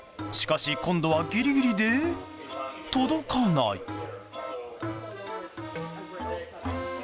しかし今度はギリギリで届かない。